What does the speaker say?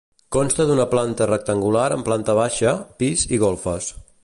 Consta d'una planta rectangular amb planta baixa, pis i golfes.